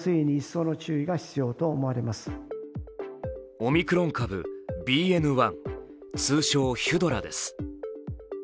オミクロン株ＢＮ．１、通称ヒュドラです。